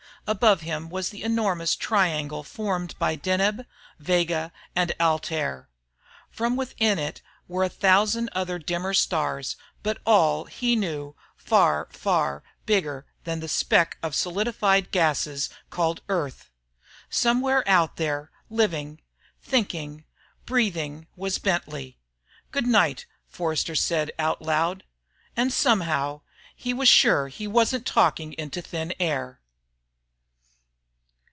Above him was the enormous triangle formed by Deneb, Vega, and Altair. Framed within it were a thousand other dimmer stars, but all, he knew, far, far bigger than the speck of solidified gases called Earth. Somewhere out there, living, thinking, breathing was Bentley. "Good night," Forster said out loud. And somehow, he was sure he wasn't talking into thin air.